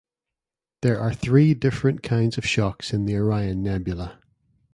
There are three different kinds of shocks in the Orion Nebula.